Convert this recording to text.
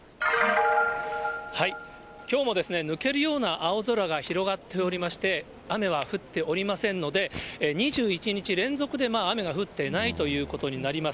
きょうもですね、抜けるような青空が広がっておりまして、雨は降っておりませんので、２１日連続で雨が降っていないということになります。